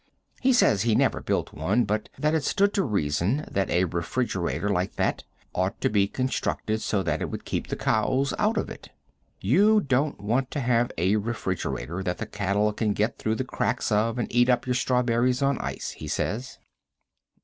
He says he never built one, but that it stood to reason that a refrigerator like that ought to be constructed so that it would keep the cows out of it. You don't want to have a refrigerator that the cattle can get through the cracks of and eat up your strawberries on ice, he says.